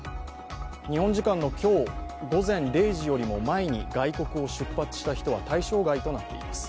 日本時間の今日、午前０時よりも前に外国を出発した人は対象外となっています。